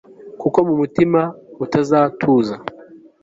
kuko mu mutima utazatuza